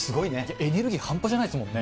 エネルギー、半端ないですもんね。